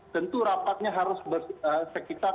tentu rapatnya harus bersekitar